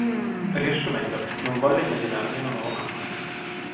Riassumendo: Non volli immaginarmi una nuova mamma.